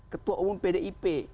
ketua umum pdip